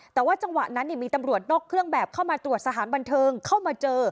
แต่ว่าจังหวะนั้นมีตำรวจนอกเครื่องแบบเข้ามาตรวจสถานบันเทิงเข้ามาเจอ